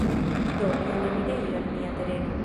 Do, jen la enirejo al nia tereno